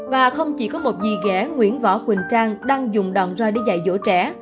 và không chỉ có một dì ghẻ nguyễn võ quỳnh trang đang dùng đòn roi để dạy dỗ trẻ